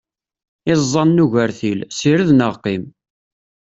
Iẓẓan n ugertil, sired neɣ qqim!